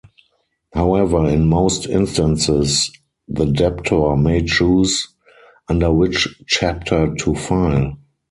However, in most instances the debtor may choose under which chapter to file.